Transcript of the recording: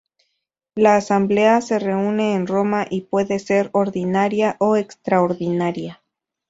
La Asamblea se reúne en Roma y puede ser ordinaria o extraordinaria.